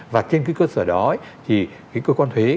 và trên cái cơ sở đó thì cái cơ quan thuế